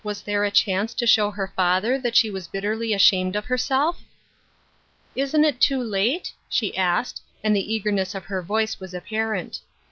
H^ there a chance to show her father that she was bitterly ashamed of herself? " Isn't it too late ?" she asked, and the eager ness in her voice was apparent.